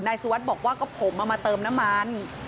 สุวัสดิ์บอกว่าก็ผมเอามาเติมน้ำมัน